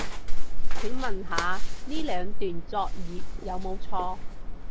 請問下呢兩段作業有冇錯